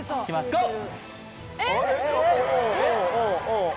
ゴー！